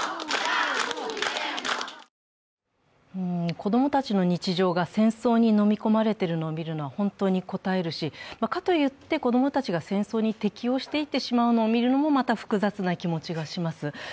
子供たちの日常が戦争にのみ込まれているのを見るのは本当にこたえるし、かといって戦争に適応していってしまうのを見るのもまた複雑な気持ちがします。